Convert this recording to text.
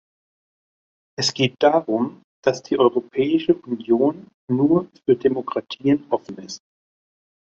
Es geht darum, dass die Europäische Union nur für Demokratien offen ist.